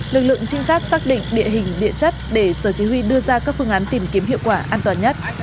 lực lượng trinh sát xác định địa hình địa chất để sở chí huy đưa ra các phương án tìm kiếm hiệu quả an toàn nhất